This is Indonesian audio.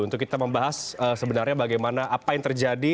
untuk kita membahas sebenarnya bagaimana apa yang terjadi